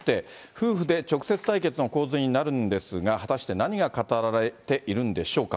夫婦で直接対決の構図になるんですが、果たして何が語られているんでしょうか。